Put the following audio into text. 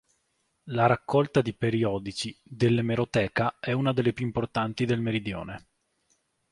La raccolta di periodici dell'emeroteca è una delle più importanti del meridione.